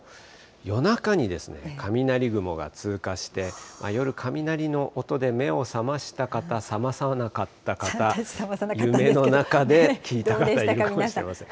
夜中に雷雲が通過して、夜、雷の音で目を覚ました方、覚まさなかった方、夢の中で聞いた方いるかもしれません。